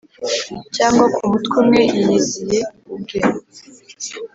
Cyangwa ku Mutwe umwe, yiyiziye ubwe